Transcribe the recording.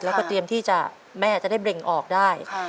แล้วก็เตรียมที่จะแม่จะได้เบ่งออกได้